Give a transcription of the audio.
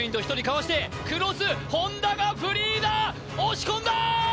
かわしてクロス本田がフリーだ押し込んだー！